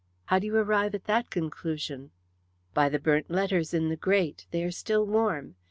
"How do you arrive at that conclusion?" "By the burnt letters in the grate. They are still warm.